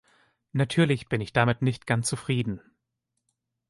Natürlich bin ich damit nicht ganz zufrieden.